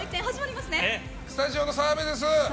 スタジオの澤部です！